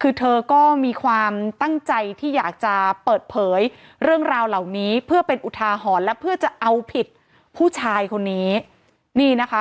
คือเธอก็มีความตั้งใจที่อยากจะเปิดเผยเรื่องราวเหล่านี้เพื่อเป็นอุทาหรณ์และเพื่อจะเอาผิดผู้ชายคนนี้นี่นะคะ